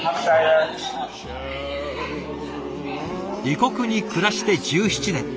異国に暮らして１７年。